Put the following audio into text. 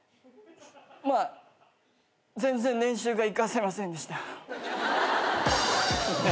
まあ全然練習が生かせませんでした。